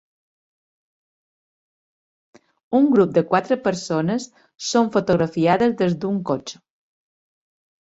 Un grup de quatre persones són fotografiades des d'un cotxe.